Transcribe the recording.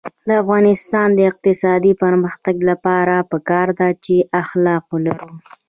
د افغانستان د اقتصادي پرمختګ لپاره پکار ده چې اخلاق ولرو.